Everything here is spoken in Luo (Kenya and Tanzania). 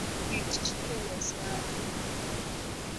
Rit chike Nyasaye